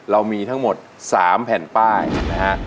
เรามีทั้งหมด๓แผ่นป้ายนะฮะ